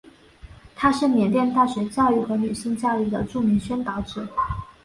他是缅甸大学教育和女性教育的著名宣导者。